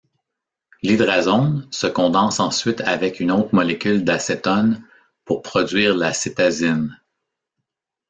L'hydrazone se condense ensuite avec une autre molécule d'acétone pour produire la cétazine.